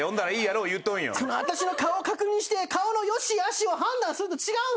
私の顔を確認して顔の良しあしを判断すると違うん？